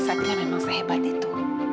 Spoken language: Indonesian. satria memang sehebat itu